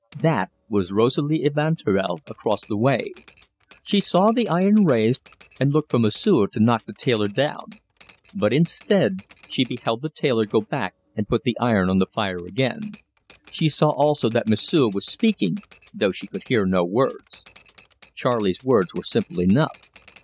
That was Rosalie Evanturel across the way. She saw the iron raised, and looked for M'sieu' to knock the tailor down; but, instead, she beheld the tailor go back and put the iron on the fire again. She saw also that M'sieu' was speaking, though she could hear no words. Charley's words were simple enough.